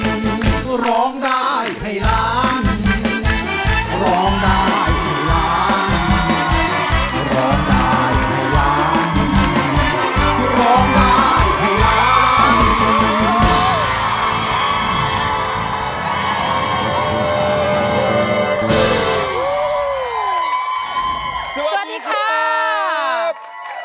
ร้องได้ให้ล้านร้องได้ให้ล้าน